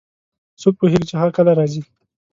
څوک پوهیږي چې هغه کله راځي